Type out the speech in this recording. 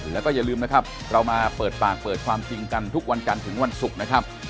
แล้วก็อย่าลืมนะครับเรามาเปิดปากเปิดความจริงกันทุกวันจันทร์ถึงวันศุกร์นะครับ